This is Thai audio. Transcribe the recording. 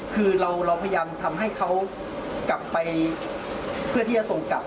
คือเราพยายามทำให้เขากลับไปเพื่อที่จะส่งกลับ